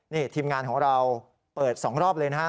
นี่ทีมงานของเราเปิดสองรอบเลยนะครับ